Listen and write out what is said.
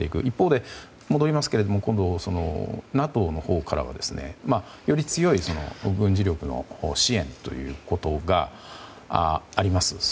一方で、戻りますけれどもＮＡＴＯのほうからは、より強い軍事力の支援があります。